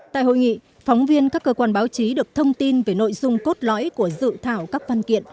tại hội nghị phóng viên các cơ quan báo chí được thông tin về nội dung cốt lõi của dự thảo các văn kiện